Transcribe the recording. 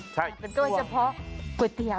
ใช่เป็นด้วยเฉพาะก๋วยเตี๋ยว